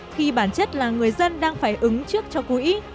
khi bản chất là người dân đang phải ứng trước cho quỹ